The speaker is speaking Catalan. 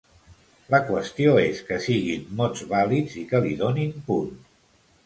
La qüestió és que siguin mots vàlids i que li donin punts.